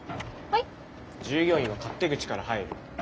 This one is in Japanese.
従業員は勝手口から入る。